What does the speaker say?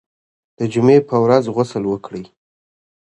د جمعې په ورځ غسل وکړئ.